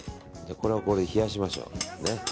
これはこれで冷やしましょう。